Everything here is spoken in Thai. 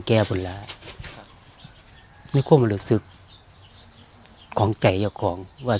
สุขแก่บนหลายไม่ความศึกหรือสุขของใจเอาของ